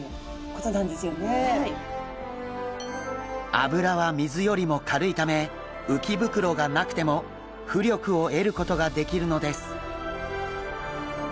脂は水よりも軽いため鰾がなくても浮力を得ることができるのです。